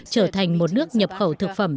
trở thành một nước nhập khẩu thực phẩm